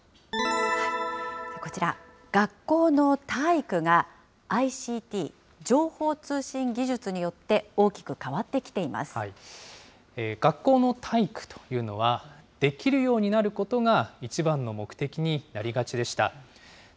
こちら、学校の体育がＩＣＴ・情報通信技術によって、大きく変わってきて学校の体育というのは、できるようになることがいちばんの目的になりがちでした。